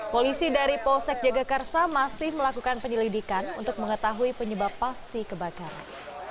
polisi dari polsek jagakarsa masih melakukan penyelidikan untuk mengetahui penyebab pasti kebakaran